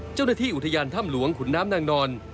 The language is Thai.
เจ้าหน้าที่อุทยานถ้ำหลวงขุนน้ำนางนอน